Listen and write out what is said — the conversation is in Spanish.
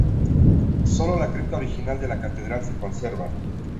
Sólo la cripta original de la catedral se conserva.